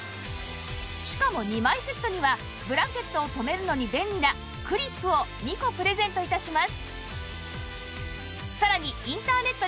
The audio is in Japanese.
しかも２枚セットにはブランケットを留めるのに便利なクリップを２個プレゼント致します